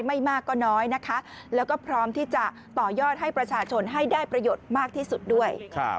ไม่มากก็น้อยนะคะแล้วก็พร้อมที่จะต่อยอดให้ประชาชนให้ได้ประโยชน์มากที่สุดด้วย